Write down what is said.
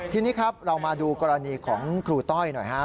ทีนี้ครับเรามาดูกรณีของครูต้อยหน่อยครับ